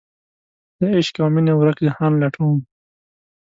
دعشق اومینې ورک جهان لټوم